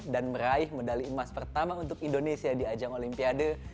dan meraih medali emas pertama untuk indonesia di ajang olimpiade